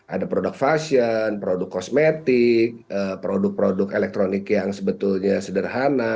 ada produk fashion produk kosmetik produk produk elektronik yang sebetulnya sederhana